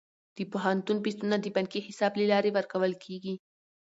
د پوهنتون فیسونه د بانکي حساب له لارې ورکول کیږي.